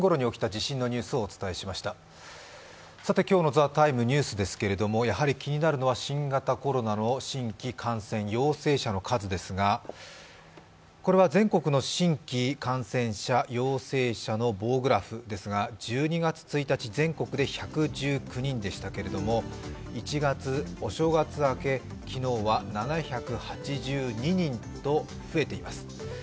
今日の「ＴＨＥＴＩＭＥ，ニュース」ですけれども、やはり気になるのは新型コロナの新規感染、陽性者の数ですが、これは全国の新規感染者陽性者の棒グラフですが１２月１日、全国で１１９人でしたけれども１月、昨日は７８２人と増えています。